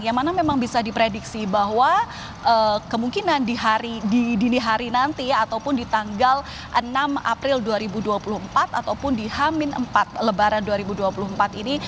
yang mana memang bisa diprediksi bahwa kemungkinan di dini hari nanti ataupun di tanggal enam april dua ribu dua puluh empat ataupun di hamin empat lebaran dua ribu dua puluh empat ini